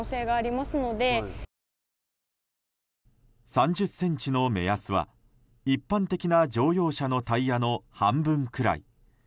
３０ｃｍの目安は、一般的な乗用車のタイヤの半分くらい。